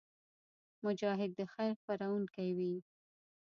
مجاهد د خیر خپرونکی وي.